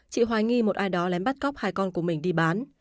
chị hoài nghi một ai đó lén bắt cóc hai con của mình đi bán